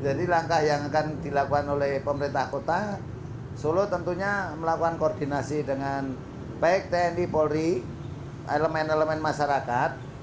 jadi langkah yang akan dilakukan oleh pemerintah kota solo tentunya melakukan koordinasi dengan baik tni polri elemen elemen masyarakat